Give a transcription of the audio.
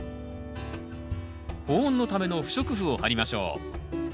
保温のための不織布を張りましょう。